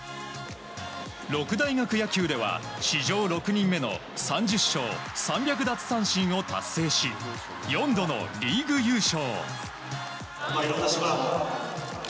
六大学野球では史上６人目の３０勝３００奪三振を達成し４度のリーグ優勝。